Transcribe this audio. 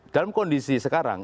dalam kondisi sekarang